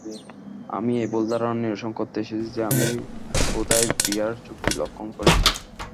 আমি এ ভুল ধারণা নিরসন করতে এসেছি যে, আমি হুদায়বিয়ার চুক্তি লঙ্গন করিছি।